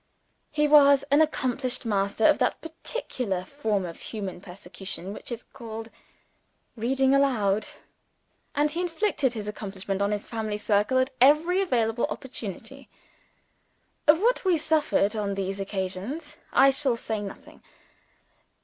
He was an accomplished master of that particular form of human persecution which is called reading aloud; and he inflicted his accomplishment on his family circle at every available opportunity. Of what we suffered on these occasions, I shall say nothing.